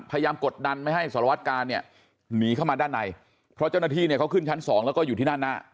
กดดันไม่ให้สารวัตกาลเนี่ยหนีเข้ามาด้านในเพราะเจ้าหน้าที่เนี่ยเขาขึ้นชั้นสองแล้วก็อยู่ที่ด้านหน้า